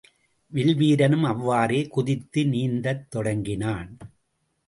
வில்வீரனும் அவ்வாறே குதித்து நீந்தத் தொடங்கினான்.